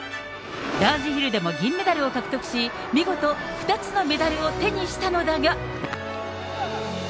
ラージヒルでも銀メダルを獲得し、見事２つのメダルを手にしたのだが。